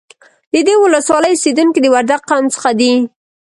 د دې ولسوالۍ اوسیدونکي د وردگ قوم څخه دي